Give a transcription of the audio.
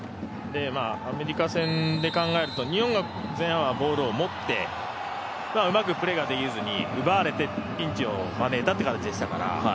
アメリカ戦で考えると日本が前半はボールを持ってうまくプレーができずに、奪われてピンチを招いたって感じでしたから。